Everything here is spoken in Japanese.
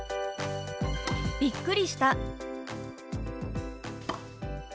「びっくりした」。